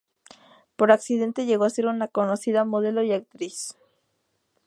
Por accidente llegó a ser una conocida modelo y actriz.